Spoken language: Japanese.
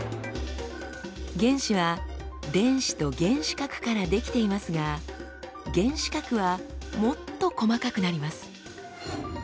原子は電子と原子核から出来ていますが原子核はもっと細かくなります。